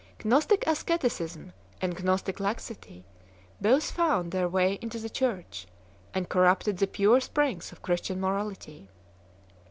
Gnostic asceticism and Gnostic laxity both found their way into the Church, and corrupted the pure springs of Christian morality.